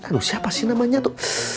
aduh siapa sih namanya tuh